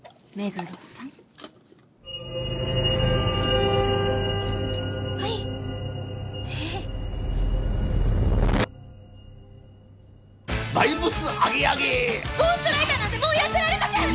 ゴーストライターなんてもうやってられません！